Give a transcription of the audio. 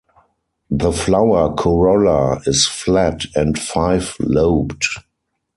The flower corolla is flat and five-lobed.